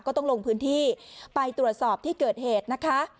ก็ต้องลงพื้นที่ไปตรวจสอบที่เกิดเหตุนะคะ